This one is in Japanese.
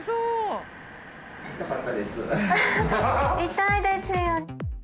痛いですよ。